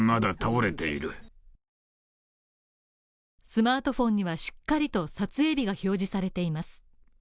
スマートフォンにはしっかりと撮影日が表示されています。